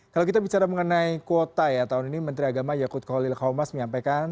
kalau kita bicara mengenai kuota ya tahun ini menteri agama yakut kolil khomas menyampaikan